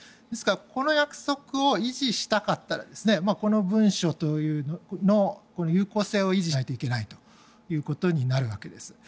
ですからこの約束を維持したかったらこの文書の有効性を維持しないといけないということになるわけです。